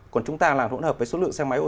còn chúng ta làm hỗn hợp với số lượng xe máy ô tô